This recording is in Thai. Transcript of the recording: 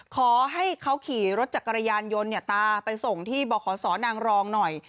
ขอให้เขาขี่รถจักรยานยนต์ตามไปส่งที่บขสนางรองหน่อย